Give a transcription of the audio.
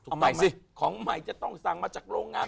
เอาใหม่สิของใหม่จะต้องสร้างมาจากโรงงาน